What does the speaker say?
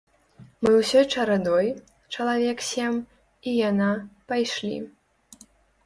Мы ўсёй чарадой, чалавек сем, і яна, пайшлі.